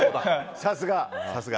さすが。